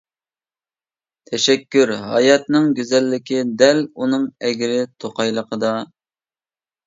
تەشەككۈر. ھاياتنىڭ گۈزەللىكى، دەل ئۇنىڭ ئەگرى-توقايلىقىدا.